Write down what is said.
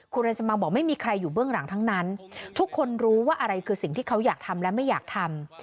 คุณเรนสมังบอกไม่มีใครอยู่เบื้องหลังทั้งนั้นทุกคนรู้ว่าอะไรคือสิ่งที่เขาอยากทำและไม่อยากทำ